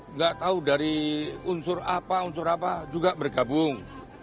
nggak tahu dari unsur apa unsur apa juga bergabung